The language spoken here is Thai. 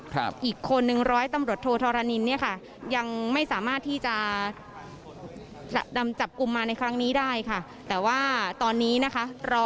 อีกคนนึงร้อยตำรวจโทธรณินเนี่ยค่ะยังไม่สามารถที่จะดำจับกลุ่มมาในครั้งนี้ได้ค่ะแต่ว่าตอนนี้นะคะรอ